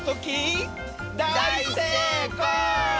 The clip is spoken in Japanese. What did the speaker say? だい・せい・こう！